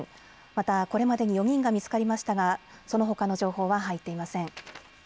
また、これまでに４人が見つかりましたがそのほかの情報は入っていません。